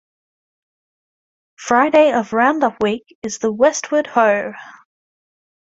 Friday of Round-Up week is the Westward Ho!